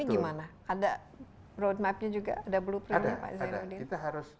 ini gimana ada road map nya juga ada blue print nya pak zainuddin